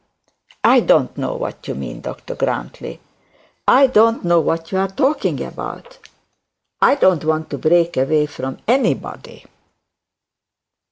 'I don't know what you mean, Dr Grantly; I don't know what you are talking about. I don't want to break away from anybody.'